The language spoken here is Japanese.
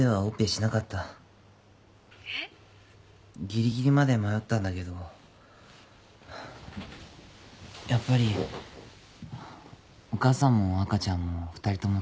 ぎりぎりまで迷ったんだけどやっぱりお母さんも赤ちゃんも２人とも助けたかったから。